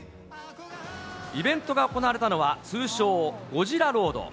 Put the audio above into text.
イベントが行われたのは通称、ゴジラ・ロード。